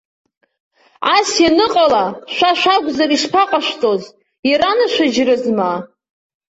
Ас ианыҟала, шәа шәакәзар ишԥаҟашәҵоз, иранашәыжьрызма?